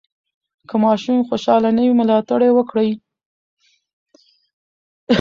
که ماشوم خوشحاله نه وي، ملاتړ یې وکړئ.